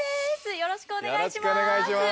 よろしくお願いします